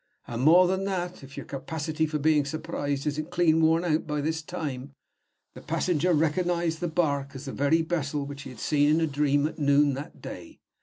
And more than that if your capacity for being surprised isn't clean worn out by this time the passenger recognized the bark as the very vessel which he had seen in a dream at noon that day.